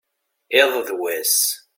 iḍ d wass